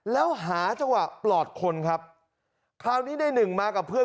แล้วหาจังหวะปลอดคนครับคราวนี้ในหนึ่งมากับเพื่อน